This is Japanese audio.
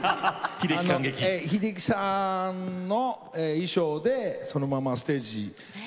秀樹さんの衣装でそのままステージ